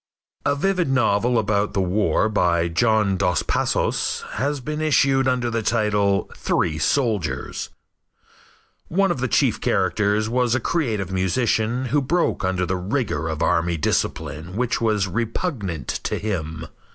A vivid novel about the war by John Dos Passos has been issued under the title "Three Soldiers." One of the chief characters was a creative musician who broke under the rigor of army discipline which was repugnant to him.